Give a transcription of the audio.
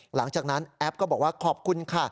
หลังจากนั้นแอปก็บอกว่าขอบคุณค่ะ